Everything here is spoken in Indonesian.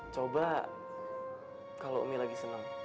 coba kalau umi lagi seneng